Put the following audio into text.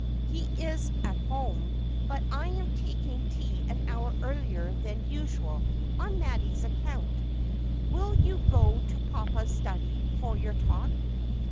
' He is at home. But I am taking tea an hour earlier than usual, on Mattie's account. Will you go to papa's study for your talk?'